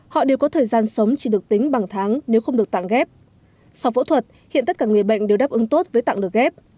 họ đều có thời gian sống chỉ được tính bằng tháng nếu không được tạng ghép sau phẫu thuật hiện tất cả người bệnh đều đáp ứng tốt với tạng được ghép